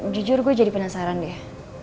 jujur gue jadi penasaran deh